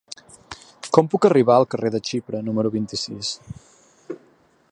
Com puc arribar al carrer de Xipre número vint-i-sis?